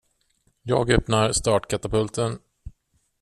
Jag öppnar startkatapulten.